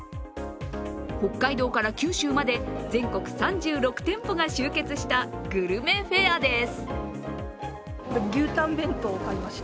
北海道から九州まで、全国３６店舗が集結したグルメフェアです。